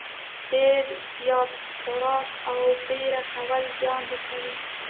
ډېر زیات خوراک او بېړه کول زیان رسوي.